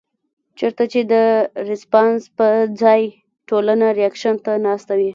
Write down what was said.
چرته چې د رسپانس پۀ ځائے ټولنه رېکشن ته ناسته وي